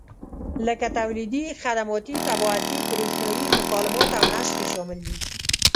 لکه تولیدي، خدماتي، طباعتي، برېښنایي مکالمات او نشر یې شامل دي.